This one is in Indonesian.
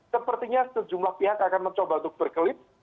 sepertinya sejumlah pihak akan mencoba untuk berkelit